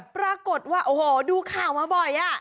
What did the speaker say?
ปรากฏว่าโอ้โหดูข่าวมาบ่อย